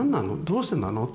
どうしてなの？